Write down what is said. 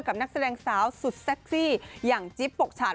นักแสดงสาวสุดเซ็กซี่อย่างจิ๊บปกฉัน